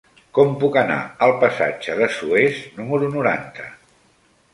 Com puc anar al passatge de Suez número noranta?